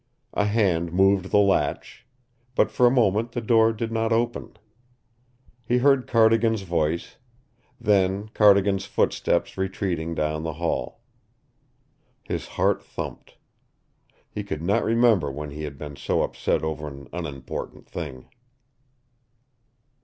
A hand moved the latch, but for a moment the door did not open. He heard Cardigan's voice, then Cardigan's footsteps retreating down the hall. His heart thumped. He could not remember when he had been so upset over an unimportant thing.